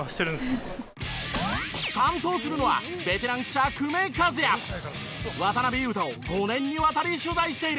担当するのはベテラン記者久米和也。渡邊雄太を５年にわたり取材している。